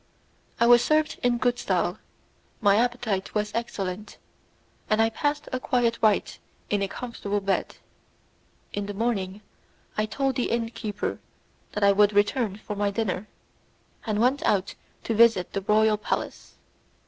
I was served in good style, my appetite was excellent, and I passed a quiet night in a comfortable bed. In the morning I told the inn keeper that I would return for my dinner, and I went out to visit the royal palace.